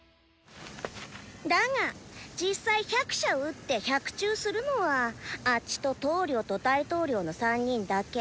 だが実際百射うって百中するのは「あッチ」と「頭領」と「大頭領」の３人だけ。